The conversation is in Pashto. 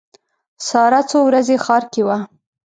ساره څو ورځې ښار کې وه.